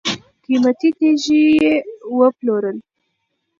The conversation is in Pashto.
قیمتي تیږي یې وپلورلې.